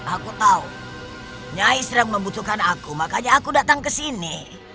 aku tahu nyai serang membutuhkan aku makanya aku datang kesini